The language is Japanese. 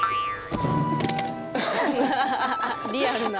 リアルな。